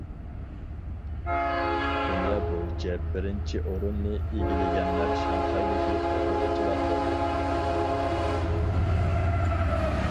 دۇنيا بويىچە بىرىنچى ئورۇننى ئىگىلىگەنلەر شاڭخەيدىكى ئوقۇغۇچىلار بولدى.